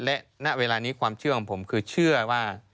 และณเวลานี้ความเชื่อของผมคือเชื่อว่า